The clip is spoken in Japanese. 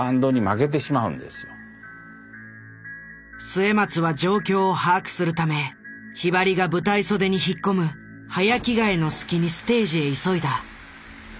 末松は状況を把握するためひばりが舞台袖に引っ込む早着替えの隙にステージへ急いだ。